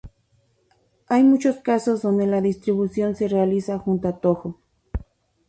Hay muchos casos donde la distribución se realiza junto a Toho.